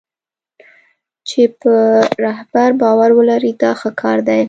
چې په رهبر باور ولري دا ښه کار دی.